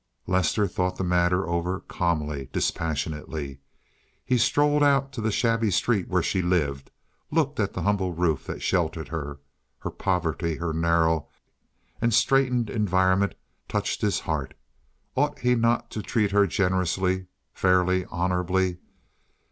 Lester thought the matter over calmly, dispassionately. He strolled out to the shabby street where she lived; he looked at the humble roof that sheltered her. Her poverty, her narrow and straitened environment touched his heart. Ought he not to treat her generously, fairly, honorably?